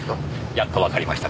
やっとわかりましたか。